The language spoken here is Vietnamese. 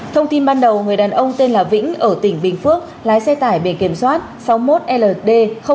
thông tin ban đầu người đàn ông tên là vĩnh ở tỉnh bình phước lái xe tải bề kiểm soát sáu mươi một ld bảy nghìn hai trăm bảy mươi năm